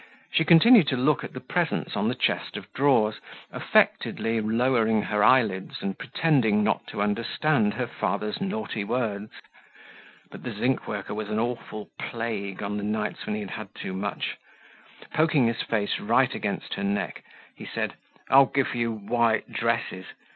She continued to look at the presents on the chest of drawers, affectedly lowering her eyelids and pretending not to understand her father's naughty words. But the zinc worker was an awful plague on the nights when he had had too much. Poking his face right against her neck, he said: "I'll give you white dresses!